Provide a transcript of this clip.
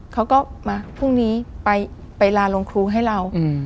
เขาก็มาพรุ่งนี้ไปลาโรงครูให้เรา